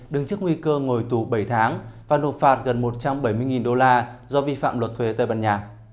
đứng trước nguy cơ ngồi tù bệnh